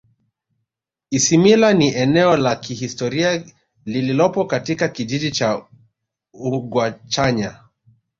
Isimila ni eneo la kihistoria lililopo katika kijiji cha Ugwachanya